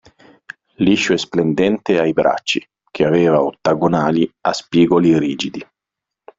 Liscio e splendente ai bracci, che aveva ottagonali a spigoli rigidi.